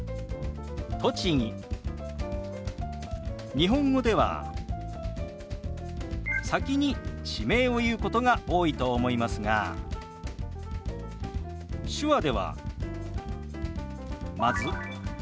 日本語では先に地名を言うことが多いと思いますが手話ではまず「生まれ」。